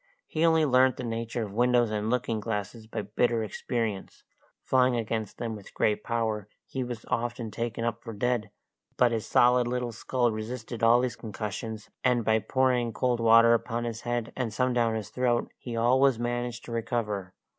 He only learnt the nature of windows and looking glasses by bitter experience; flying against them with great force, he was often taken up for dead; but his solid little skull resisted all these concussions, and by pouring cold water upon his head and some down his throat, he always managed to recover.